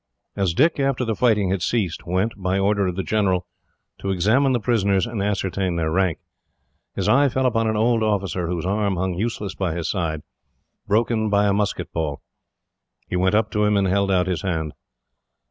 As Dick, after the fighting had ceased, went, by order of the General, to examine the prisoners and ascertain their rank, his eye fell upon an old officer, whose arm hung useless by his side, broken by a musket ball. He went up to him, and held out his hand.